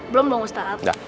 belum dong ustadz